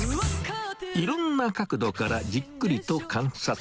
いろんな角度からじっくりと観察。